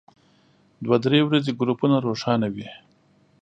دوه درې ورځې ګروپونه روښانه وي.